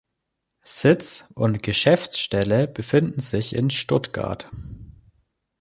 Sitz und Geschäftsstelle befinden sich in Stuttgart.